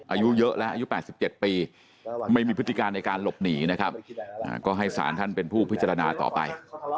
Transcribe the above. อายุเยอะแล้วอายุ๘๗ปีไม่มีพฤติการในการหลบหนีนะครับก็ให้สารท่านเป็นผู้พิจารณาต่อไป